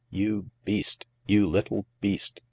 " You beast — you little beast